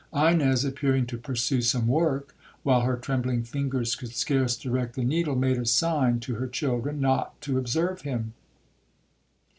Ines, appearing to pursue some work, while her trembling fingers could scarce direct the needle, made a sign to her children not to observe him.